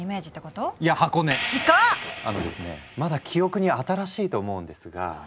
あのですねまだ記憶に新しいと思うんですが。